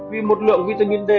vì một lượng vitamin d